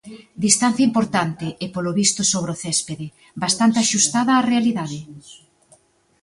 Distancia importante, e polo visto sobre o céspede, bastante axustada á realidade.